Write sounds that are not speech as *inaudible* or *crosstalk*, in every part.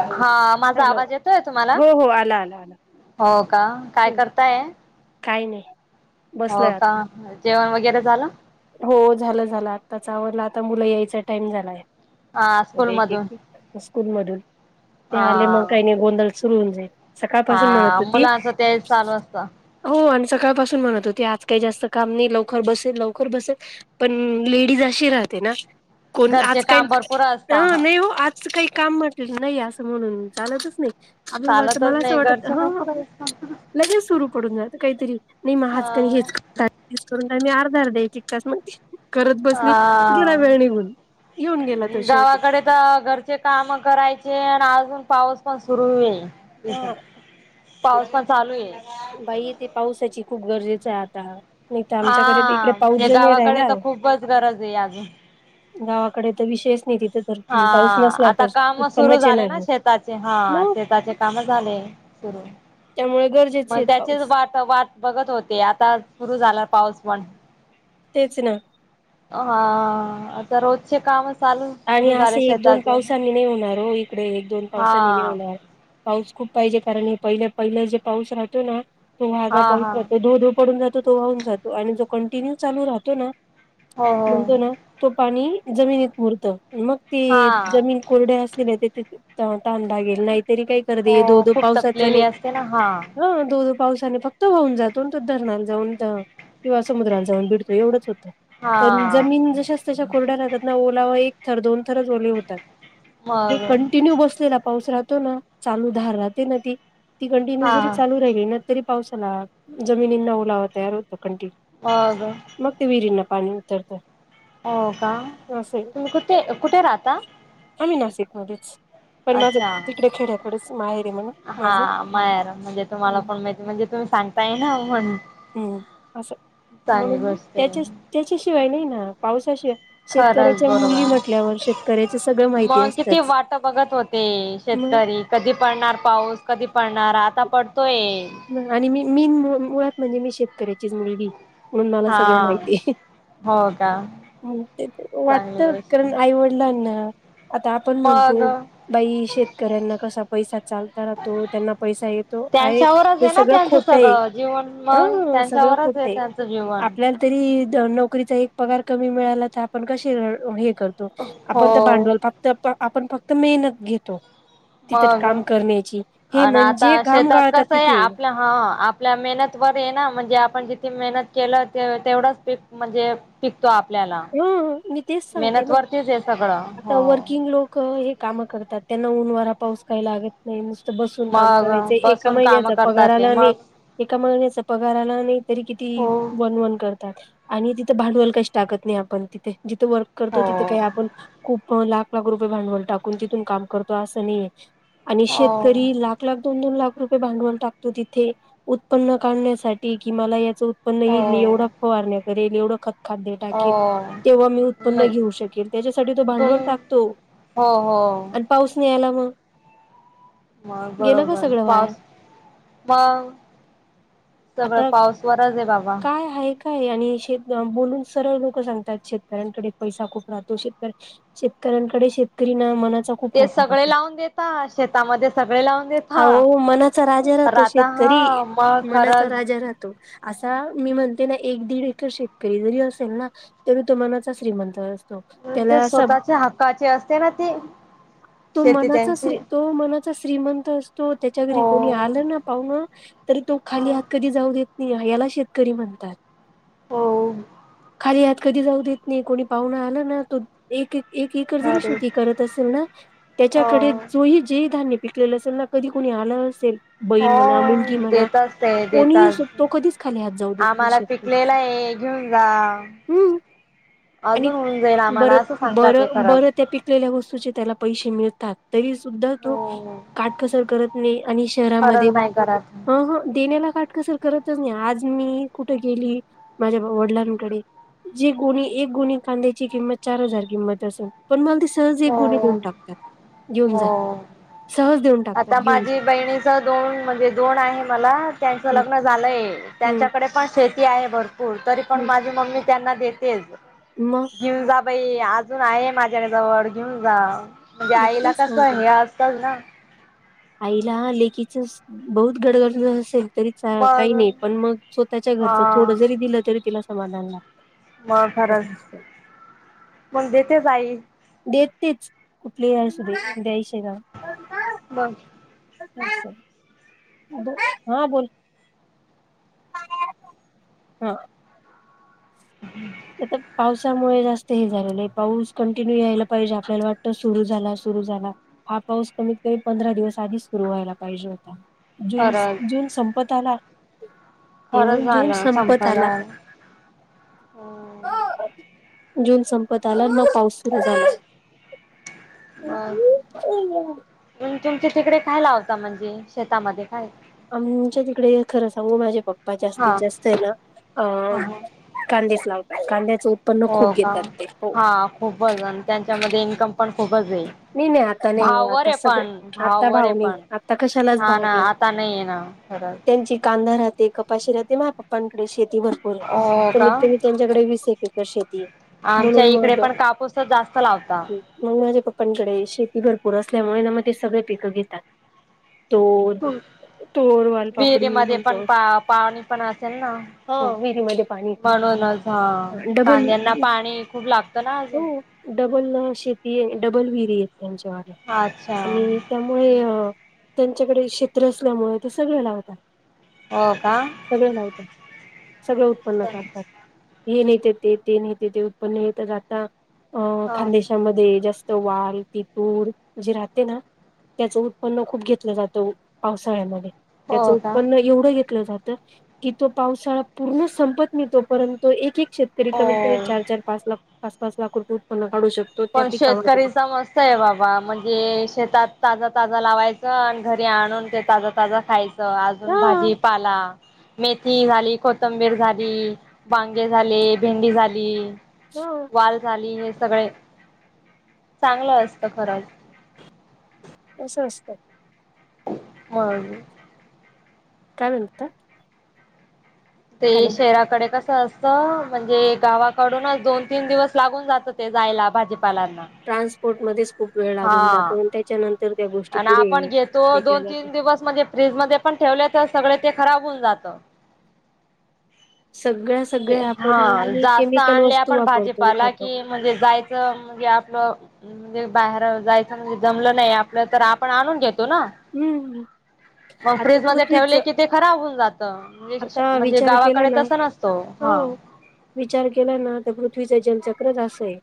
हा माझा हॅलो आवाज येतोय तुम्हाला, हो हो आला आला आला हो का काय करताय. काही नाही. बसलोय हो, का आता जेवण वगैरे झालं. हो झालं, झालं आताच आवरला, आता मुलं यायचा टाइम झालाय. हा स्कूल मधून स्कूल मधून ते हा आले मग काही नाही, गोंधळ सुरू होऊन जाईल. सकाळपासून म्हणत हा होती. मुलांच तेच चालू असत हो आणि सकाळपासून म्हणत होती. आज काही जास्त काम नाही लवकर बसेल, लवकर बसेल, पण लेडीज अशी राहते ना कोण घरचे आज काही, काम भरपूर असत ह नाही हो आज अस काही काम म्हटलेलं नाही, असं म्हणून चालतच नाही. आपल्याला वाटत चालतच मला असं नाही वाटतं. घरचे हो, हो भरपूर असत लगेच सुरू पडून जा काहीतरी नाही. मग हाच का हा हेच करून का मी अर्धा, अर्धा एक एक तास म्हणते करत बसली. गेला हा वेळ निघून येेऊन गेला तो शेवटी. आता घरचे काम करायचे, आणि अजून पाऊस पण सुरू हा आहे. पाऊस पण चालू आहे. बाई येथे पावसाची खूप गरजेचं आहे आता. नाही तर, आमच्याकडे इकडे हा पाऊस म्हणजे जाऊण गावाकडे राहिला. तर खूपच गरज आहे अजून गावाकडे तर विषयच नाही. तिथं हा आता काम सुरू येणार झाले ना नाही शेताचे. हा मग शेताचे काम झाले, सुरू. त्यामुळे गरजेच मग त्याचीच वाट, वाट बघत होते. आता सुरू झाला पाऊस पण. तेच ना. हा, आता रोजचे कामच आणि असे एक, दोन पावसानी नाही होणार हो, इकडे एक, दोन हा पावसानी नाही होणार. पाऊस खूप पाहिजे. कारण हे पहिले, पहिले जे पाऊस राहतो ना तो वागा हा पाऊस हा जातो, धोधो पडून जातो तो वाहून जातो. आणि जो कंटिन्यू चालू राहतो ना हो हो म्हणतो ना तो पाणी जमिनीत मुरतं, मग हा ते जमीन कोरडे असले ना तर ते तहान लागेल. नाहीतरी काही कर दे, हो धोधो खूप पावसाचं तपलेली नाही असते ना हा हं, धोधो पावसाने फक्त वाहून जातो ना. तो धरणाला जाऊन किंवा समुद्रात जाऊन भिडतो, एवढंच होतं. पण हा जमीन जशाच तशा कोरड्या राहतात, ना ओलावा एक थर, दोन थरच ओले होतात. हे मग कंटिन्यू बसलेला पाऊस राहतो ना, चालू धार राहते ना ती ती कंटिन्यू हा जरी चालू राहिली ना, तरी पावसाला जमिनींना ओलावा तयार होत कंटिन्यू. हां, ग. मग ते विहिरींना पाणी उतरतं. हो का? असंय तुम्ही कुठे, कुठे राहता? आम्ही नाशिकमध्येच. पण माझं अच्छा. तिकडे खेड्याकडेच माहेर आहे म्हणा हा, माझं माहेरात म्हणजे तुम्हाला पण माहिती, म्हणजे तुम्ही सांग ताय ना, म्हणुन. हं, असं, म्हणून आहे त्याच्या त्याच्याशिवाय नाही ना, पावसाशिवाय खरंच शेतकऱ्याच्या मुली बरोबर, म्हटल्यावर शेतकऱ्याच सगळं माहिती मग किती असतच वाट बघत होते, मग शेतकरी कधी पडणार पाऊस? कधी पडणार? आता पडतोय. आणि मी मीन मुळात, म्हणजे मी शेतकऱ्याचीच मुलगीये. म्हणून मला हा सगळं माहितीये. हो का चांगली वाटत गोष्ट कारण आईवडि लांना, आता आपण मग म्हणतो, बाई शेतकऱ्यांना कसा पैसा चाल त *unintelligible* त्यांना पैसा येतो. आहे त्यांच्यावरच हे आहे ना सगळं त्यांचं खोट आहे, सगळं जीवन मग ह.. सगळं खोट त्यांच्यावरच आहे. त्यांचं जीवन आपल्या तरी, नोकरीचा एक पगार कमी मिळाला तर, आपण कसे र हे कर आपण तर हो भांडवल फक्त, आपण फक्त मेहनत घेतो. तिथच मग काम करण्याची, हे आणि म्हणजे आता घाम शेतात गाळतात कसं आहे तिथे आपल्या हा, आपल्या मेहनत वर आहे ना, म्हणजे आपण जितकी मेहनत केलं, ते तेवढच पीक म्हणजे पिकतो आपल्याला. ह मी तेच सांगते मेहनत ना वरतीच आहे सगळं आता हो. वर्किंग लोक, हे काम करतात, त्यांना ऊन-वारा पाऊस काय लागत नाही, नुसतं बसून काम मग करायचं. एका बसून काम महिन्याचा करतात पगार ते आला मग नाही एका महिन्याचा पगार आला नाही, तरी किती हो वन, वन कर तात आणि तिथं भांडवल काहीच टाकत नाही आपण तिथे. जिथे वर्क करतो, हो तिथे काही आपण खूप लाख, लाख रुपये भांडवल टाकून, तिथून काम करतो, असं नाहीये आणि हो शेतकरी लाख एक लाख दोन - दोन लाख रुपये भांडवल टाकतो तिथे, उत्पन्न काढण्यासाठी कि मला याच पण नाही, मी एवढं फवारण्या करेल, एवढं खतखाद्य हो टाकेन हो तेव्हा मी उत्पन्न म घेऊ शकेल, त्याच्यासाठी, तो तुम भांडवल टाकतो., हो हो अन पाऊस नाही आला मग. मग गेलं का बरोबर, सगळं वाया पाऊस *unintelligible* सगळं आता पाऊस वरच आहे बाबा. काय आहे काय आणि *unintelligible* बोलून सरळ सांगतात,. शेतकऱ्यांकडे पैसा खूप राहतो, शेतकरी शेतकऱ्यांकडे शेतकरी मनाचा ते सगळे *unintelligible* लावून देता शेतामध्ये सगळे लावून देता आवो मनाचा राजा राहतो शेत राता शेतकरी हा मग मनाचा खरंच राजा राहतो. असा मी म्हणते ना, एक, दीड एकर शेतकरी जरी असेल ना, तरी तो मनाचा श्रीमंत अस स्वतःच्या हक्काचे असते ना ते. तो मनाचा श्री- तो मनाचा श्रीमंत असतो, त्याच्या हो घरी कोणी आला ना पाहूणा, तरी तो हो खाली हात कधी जाऊ देत नाही, याला शेतकरी म्हणतात. हो. खाली आत कधी जाऊ देत नाही. कोणी पाहुणा आलं ना तो एक, एक एकर जरी अरे शेती करत असेल ना, हो त्याच्याकडे जो ही जे धान्यं पिक केलं असेल ना, कधी कुणी आलं नसेल. हो बहीण म्हणा, मुलगी म्हणा, देतच ते कोणी देतच असो तो कधीच खाली हात जाऊ देत नाही, आम्हाला शेतकरी. पिकलेला *unintelligible* हं आणि अजून होऊन जाईल आम्हाला बर, असं सांगतात बर, ते खरंच बरं त्या पिक त्याला वस्तूचे त्याला पैसे मिळतात तरी सुद्धा तो हो काटकसर करत नायी आणि शहरामध्ये खरंच नाही करत ह ह देण्याला काटकसर करतच नायी, आज मी कुठे गेली माझ्या वडलां जे गोणी एक गोणी कांद्याची किंमत चार हजार किंमत असन? पण मला ती सहज एक गोणी हो देऊन टाकतात, घेऊन जाय, हो सहज देऊन टाकतात, आता "घेऊन जा." माझी बहिणीच दोन म्हणजे दोन आहे मला त्यांचं हं, लग्न झालंय हं, त्यांच्याकडे पण शेती आहे भरपूर तरी पण हं. माझी मम्मी त्यांना देतेच मग घेऊन जा बाई, अजून आहे माझ्या जवळ घेऊन जा म्हणजे मग आईला तेच सांगते कसं, ना, हे असतल ना? आईला लेकीचं बहुत गडगंज असेल तरी काही मग नाही. पण मग स्वतःच्या घरच हा थोडं जरी दिलं तरी तिला समाधान लाग मग खरंच, मग देतेच आई देतेच कुठलीही असुदे द्यायशी ना बरं! *inaudible* अ *unintelligible* हा बोल *unintelligible* हा हम्म *inaudible* आता पावसामुळे जास्त हे झालेलंय. पाऊस कंटिन्यू यायला पाहिजे आपल्याला वाटतं सुरू झाला सुरु झाला हा पाऊस कमीत कमी पंधरा दिवस आधीच सुरू व्हायला पाहिजे होता? ज खरंच जून संपत आला खरंच येऊन जून झालं. संपत संपायला आला आ जून संपत आला ना, मग पाऊस सुरू झाला अ तुमच्या तिकडे काय लावता? म्हणजे शेतामध्ये काय? आमच्या तिकडे खरं सांगू माझे पप्पा जास्तीत हा जास्तय ना, अ ह कांदेच लावतात कांद्याच उत् हो का? हा खूपच आणि त्यांच्यामध्ये इन्कम पण खूपचय नाही नाही आता नाही हो आता सगळे आता भाववर आहे भाव नायी पण आता कशालाच हा भाव ना नाही आता आहे ना खरंच त्यांची कांदा राहते, कप पाशी राहते माय पप्पांकडे शेती भरपूरय हो का कमीत कमी त्यांच्याकडे वीस एके एकर शेतीय आमच्या इकडे पण कापूसच जास्त लावता मग माझ्या पप्पांकडे शेती भरपूर असल्यामुळे ना मग ते सगळे पिकं घेतात दोन विहिरी मधे पण पा पाणी पण असेल ना? हा खूप विहिरीमध्ये पाणी म्हणूनच हा डबल कांद्यांना पाणी खूप लागतं ना? अजून हो डबल शेतीये, डबल विहिरीयत त्यांच्या *unintelligible* अच्छा आणि त्या मुळे त्यांच्याकडे क्षेत्र असल्यामुळे ते सगळे लावतात हो का? सगळं लावतात. सगळं उत्पन्न काढतात. हे नाहित ते नाहीत ते उत्पन्न येत आता अ हा खानदेशामध्ये जास् *unintelligible* ती तुर जी राहते ना? त्याच उत्पन्न खूप घेतलं जातं पावसाळ्यामध्ये, त्याच हो का उत्पन्न एवढं घेतलं जात की तो पावसाळा पूर्ण संपत मिळतो परंतू एक एक कषेत्र तरी कमीतकमी हो चार पाच लाख पाच पाच लाख रुपय उत्पन्न काढू शक-' पण शेतकरीच समजत आहे बाबा म्हणजे शेतात ताज ताज लावायचं आणि घरी आणून ते ताज ताजं खायचं. अजून हा भाजी पाला मेथी -. मेथी झाली कोथंबीर झाली, वांगे झाले, भेंडी झाली. ह. वाल झाली हे सगळे. चांगलं असतं खरंच. तसं असतं. मग. काय म्हणता? ते हॅलो शहराकडे कस-. कसं असत म्हणजे गावाकडूनच दोन तीन दिवस लागून जातं ते जायला भाजीपाल्यांना. ट्रान्सपोर्ट मध्येच खूप वेळ लागून जातो आणि त्याच्यानंतर त्या गोष्टी पुढे विकल्या जातात. मध्ये, फ्रीज मध्ये पण ठेवले तर सगळे ते खराब होऊन जातं. सगळ्या-. जे सगळ्या हा आपण जास्त केमिकल आणल्या वस्तू आपण वापरतो आणि भाजीपाला खातो. कि-. म्हणजे जायचं म्हणजे आपलं-. म्हणजे बाहेर जायचं म्हणजे जमलं नाही आपलं तर आपण आणून घेतो ना. हम्म. मग आता फ्रीज मध्ये पृथ्वीच ठेवले की ते खराब होऊन जात. म्हणजे- मिरच्या. आता म्हणजे विचार केला गावाकडे ना तस नसतो. हो हा. विचार केला ना तर पृथ्वीच जलचक्रच अस हे.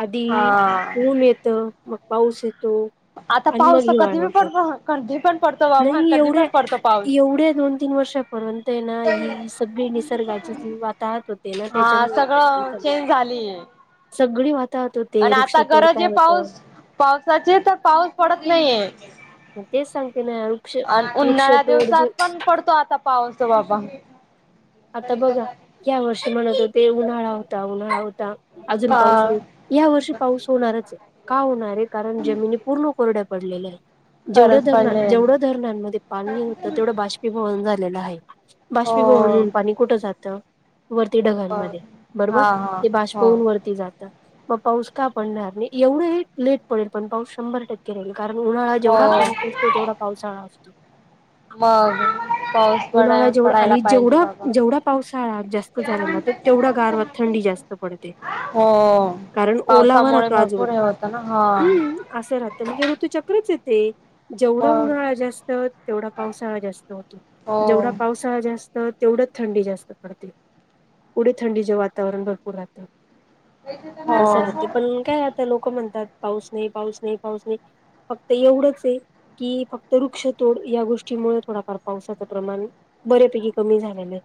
आधी हा ऊन येतं मग पाऊस येतो आता आणि मग पाऊस तर कधी हिवाळा बी येतो. पड कधी पण पडतो बाबा नाही कधी एवढ्या, पण पडतो पाऊस एवढ्या दोन तीन वर्षापर्यंत हे ना. ही-. सगळी निसर्गाची जी वाताहत होते ना हा त्याच्यामुळे होत हे सगळं ईथ. चेंज झालीय सगळी वाताहत अ-. आणि आता गरज आहे पाऊस पावसाची तर पाऊस पडत नाही हे. मग तेच सांगते ना वृक्ष वृक्ष उन्हाळ्या तोड जी दिवसात -. पण पडतो आता पाउस बाबा-. आता बघा ह्या वर्षी म्हणत होते उन्हाळा होता उन्हाळा होता अजून पाऊस हा नाही. ह्या वर्षी पाऊस होणारच हे का होणार हे कारण जमिनी पूर्ण कोरड्या पडलेल्या आहेत. जेवढं खरंच धरणा पडले जेवढं धरणांमध्ये पाणी होतं तेवढं बाष्पीभवन झालेलं आहे. हो बाष्पीभवन होऊन पाणी कुठं जातं? वरती ढगांमध्ये बरोबर हा हा ते हो बाष्पहून वरती जात. मग पाऊस का पडणार नाही एवढं हे लेट पडेल पण पाऊस शंभर टक्के- ह ह कारण उन्हाळा हो जेवढा कडक असतो तेेवढा पावसाळा असतो. मग पाऊस पडा उन्हाळा जेवढा पडायला आणि पाहिजे जेवढा मग. जेवढा पावसाळा जास्त झालेला तर तेवढा गारवा थंडी जास्त पडते. हो कारण ओलावा पावसामुळे राहतो अजुन भरपूर हे होतं ना हा हम्म असं राहतं म्हणजे ऋतू चक्रच हे ते. जेवढा मग उन्हाळा जास्त तेवढा पावसाळा जास्त होतो हो जेवढा पावसाळा जास्त- तेवढंच थंडी जास्त पडते पुढे थंडीचे वातावरण भरपूर राहतं. हो असं राहत पण काय आता लोक म्हणतात पाऊस नाही, पाऊस नाही, पाऊस नाही- फक्त एवढंच हे- कि फक्त वृक्षतोड या गोष्टीमुळे थोडाफार पावसाचं प्रमाण बऱ्यापैकी. कमी झालेल्या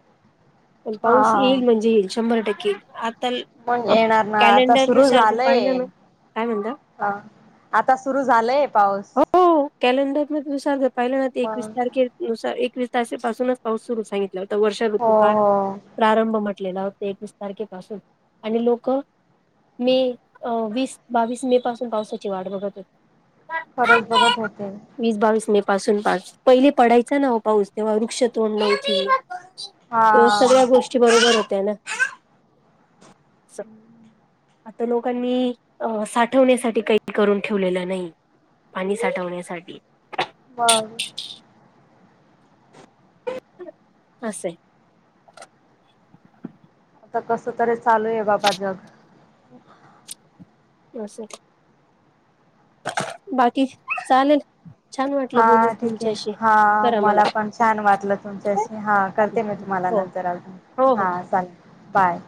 पण हा पाऊस येईल म्हणजे येईल शंभर टक्के आता. मण येणार ना आता कॅलेंडर सुरु नुसार जर झालंय पाहिलं हे. ना काय म्हणता अ आता सुरु झालंय हे पाऊस. हो कॅलेंडर म दुसार ज पाहिला ना मग एकवीस तारखे नुसार एकवीस ताासेपासूनच पाऊस सुरू सांगितला होता. वर्षा हो ऋतूपठ हो प्रारंभ म्हटलेला होता एकवीस तारखेपासून, आणि लोक- मे, वीस बावीस मे पासून पावसाची वाट बघत होते. खरंच बघत होते. वीस बावीस मे पासून पार, पहिले पडायचा ना पाऊस तेव्हा वृक्ष तोंड द्यायच. हा तेव्हा सगळ्या गोष्टी बरोबर होत्या ना. आता लोकांनी, साठवण्यासाठी काही करून ठेवलेलं नाही. पाणी साठवण्यासाठी. हा *unintelligible* असे. आता कस तरी चालू आहे बाबा जग. हो *inaudible* असं. बाकी? चालेल छान वाटलं बोलून हा ठीक आहे तुमच्याशी. हा मला पण छान वाटलं तुमच्याशी, हा करते मी तुम्हाला हो नंतर अजून. हो हो हा चालेल, बाय.